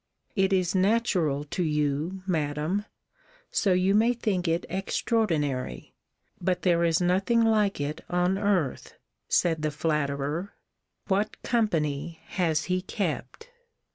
It is natural to you, Madam; so you may think it extraordinary: but there is nothing like it on earth, said the flatterer What company has he kept!